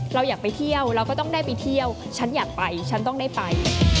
เราอยากไปเที่ยวเราก็ต้องได้ไปเที่ยวฉันอยากไปฉันต้องได้ไป